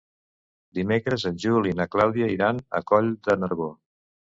Dimecres en Juli i na Clàudia iran a Coll de Nargó.